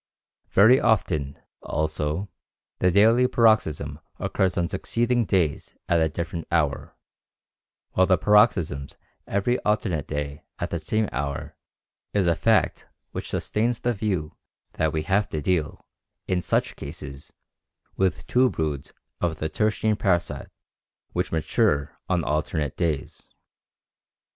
Very often, also, the daily paroxysm occurs on succeeding days at a different hour, while the paroxysm every alternate day at the same hour is a fact which sustains the view that we have to deal, in such cases, with two broods of the tertian parasite which mature on alternate days.